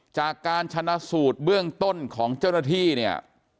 จากการชนะสูตรเบื้องต้นของเจ้าหน้าที่เนี่ย